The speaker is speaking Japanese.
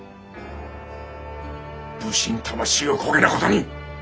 武士ん魂をこげなことに！